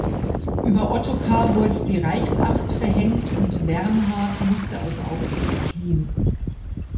Über Ottokar wurde die Reichsacht verhängt und Wernhard musste aus Augsburg fliehen.